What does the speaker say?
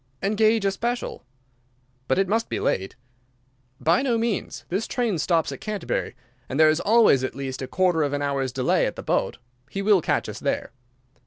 "Engage a special." "But it must be late." "By no means. This train stops at Canterbury; and there is always at least a quarter of an hour's delay at the boat. He will catch us there."